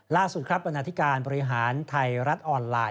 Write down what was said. ล่าสุดครับบรรณาธิการบริหารไทยรัฐออนไลน